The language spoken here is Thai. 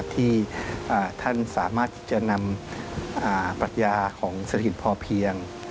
ที่ท่านสามารถจะนำปรัชญาของสถิตพอเพียง